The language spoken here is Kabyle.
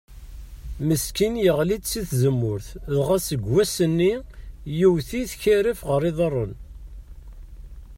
Meskin yeɣli-d si tzemmurt, dɣa seg wass-nni yewwet-it karaf ɣer iḍaren.